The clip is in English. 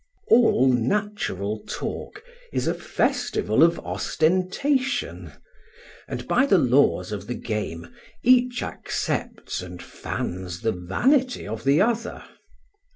All natural talk is a festival of ostentation; and by the laws of the game each accepts and fans the vanity of the other.